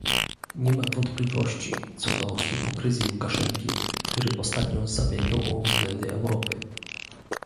Nie ma wątpliwości co do hipokryzji Łukaszenki, który ostatnio zabiegał o względy Europy